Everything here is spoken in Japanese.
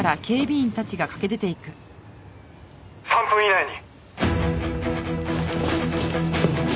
「３分以内に」